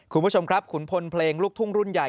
คุณผู้ชมครับขุนพลเพลงลูกทุ่งรุ่นใหญ่